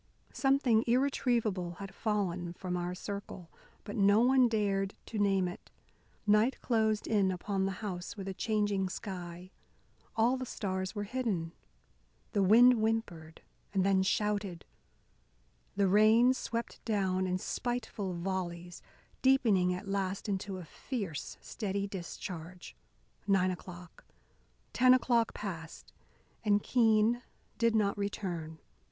Something irretrievable had fallen from our circle. But no one dared to name it. Night closed in upon the house with a changing sky. All the stars were hidden. The wind whimpered and then shouted. The rain swept down in spiteful volleys, deepening at last into a fierce, steady discharge. Nine o'clock, ten o'clock passed, and Keene did not return.